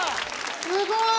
すごい！